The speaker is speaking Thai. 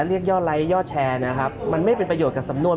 ย่อไลคย่อแชร์นะครับมันไม่เป็นประโยชน์กับสำนวน